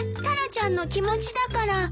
タラちゃんの気持ちだから。